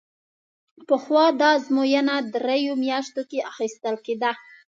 پخوا دا ازموینه درېیو میاشتو کې اخیستل کېده.